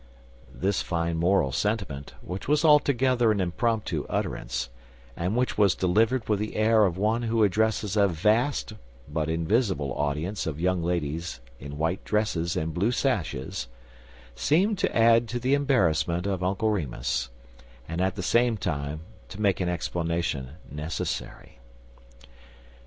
This final moral sentiment, which was altogether an impromptu utterance, and which was delivered with the air of one who addresses a vast but invisible audience of young ladies in white dresses and blue sashes, seemed to add to the embarrassment of Uncle Remus, and at the same time to make an explanation necessary.